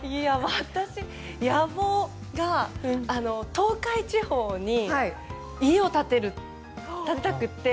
私、野望が東海地方に家を建てたくて。